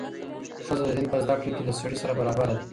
ښځه د دین په زده کړه کې له سړي سره برابره ده.